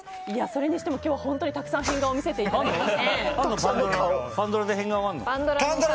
それにしても今日はたくさん変顔を見せていただきました。